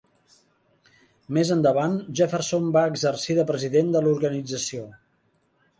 Més endavant, Jefferson va exercir de president de l'organització.